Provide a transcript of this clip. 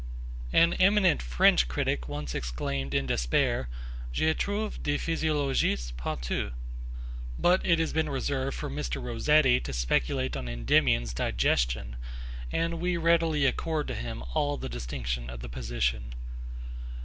An eminent French critic once exclaimed in despair, 'Je trouve des physiologistes partout!'; but it has been reserved for Mr. Rossetti to speculate on Endymion's digestion, and we readily accord to him all the distinction of the position.